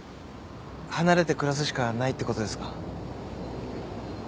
離れて暮らすしかないってことですか？